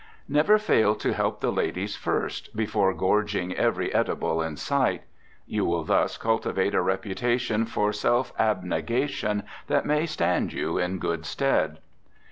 Never fail to help the ladies first, before gorging every edible in sight. You will thus cultivate a reputation for self abnegation that may stand you in stead.